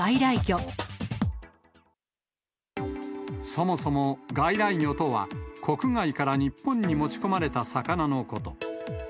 そもそも外来魚とは、国外から日本に持ち込まれた魚のこと。